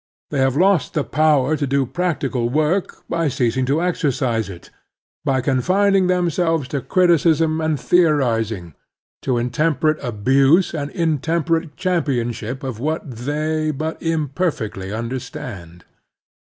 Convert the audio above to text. They have lost the power to do practical work by ceasing to exercise it, by confining themselves to criticism and theorizing, to intemperate abuse and intemperate championship of what they but im perfectly understand.